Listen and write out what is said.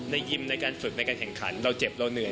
ยิมในการฝึกในการแข่งขันเราเจ็บเราเหนื่อย